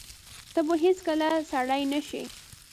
ته به هیڅکله سړی نه شې !